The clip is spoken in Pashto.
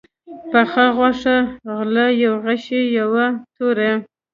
پخه غوښه، غله، يو غشى، يوه توره